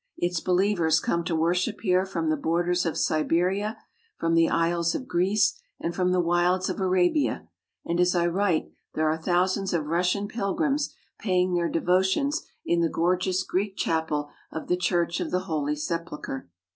Its believers come to worship here from the borders of Siberia, from the isles of Greece, and from the wilds of Arabia, and as I write there are thousands of Russian pilgrims paying their devotions in the gorgeous Greek chapel of the Church of the Holy Sepulchre.